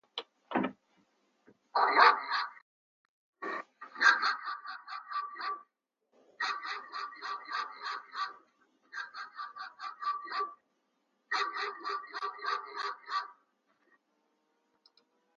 Постой, нагнись!